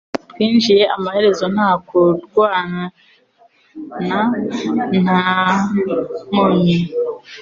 Twinjiye amaherezo nta kurwana nta nkomyi